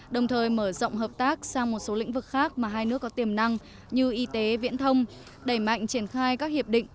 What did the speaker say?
đồng thời mở rộng hợp tác sang một số lĩnh vực khác mà hai nước có tiềm năng như y tế viễn thông đẩy mạnh triển khai các hiệp định